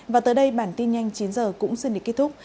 và tới đây bản tin nhanh chín h cũng xin để kết thúc